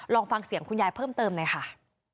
ลองฟังเสียงคุณยายเพิ่มเติมหน่อยค่ะ